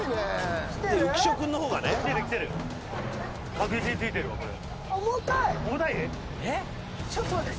確実についてるわこれ。